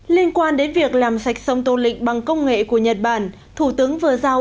liên quan đến việc làm sạch sông tô lịch bằng công nghệ của nhật bản thủ tướng vừa giao